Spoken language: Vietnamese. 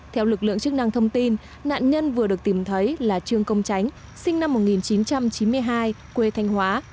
theo lực lượng chức năng thông tin nạn nhân vừa được tìm thấy là trương công tránh sinh năm một nghìn chín trăm chín mươi hai quê thanh hóa